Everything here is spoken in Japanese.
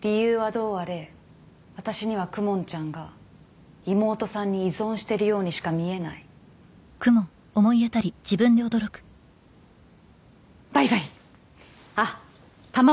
理由はどうあれ私には公文ちゃんが妹さんに依存してるようにしか見えないバイバイあっタマゴ